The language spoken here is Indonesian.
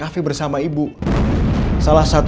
orang yang bersama ibu di pandora cafe